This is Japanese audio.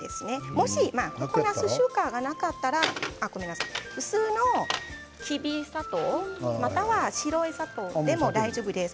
もしココナツシュガーがなかったら普通のきび砂糖、または白い砂糖でも大丈夫です。